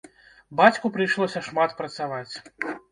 Бацьку прыйшлося шмат працаваць.